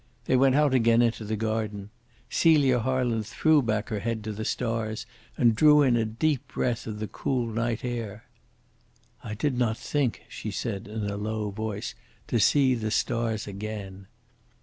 They went out again into the garden. Celia Harland threw back her head to the stars and drew in a deep breath of the cool night air. "I did not think," she said in a low voice, "to see the stars again."